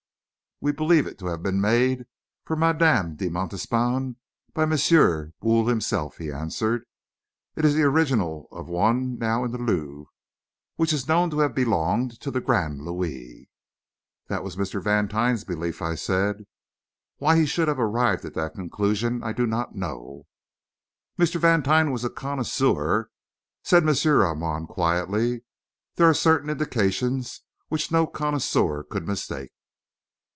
"We believe it to have been made for Madame de Montespan by Monsieur Boule himself," he answered. "It is the original of one now in the Louvre which is known to have belonged to the Grand Louis." "That was Mr. Vantine's belief," I said. "Why he should have arrived at that conclusion, I don't know " "Mr. Vantine was a connoisseur," said M. Armand, quietly. "There are certain indications which no connoisseur could mistake."